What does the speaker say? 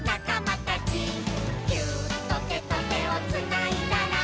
「ギューッとてとてをつないだら」